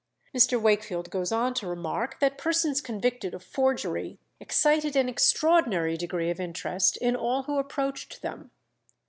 Mr. Wakefield goes on to remark that persons convicted of forgery "excited an extraordinary degree of interest in all who approached them."